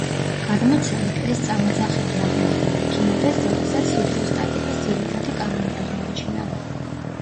გადმოცემით, ეს წამოძახილი აღმოხდა არქიმედეს, როდესაც ჰიდროსტატიკის ძირითადი კანონი აღმოაჩინა.